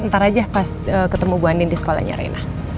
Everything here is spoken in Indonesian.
ntar aja pas ketemu bu andin di sekolahnya reina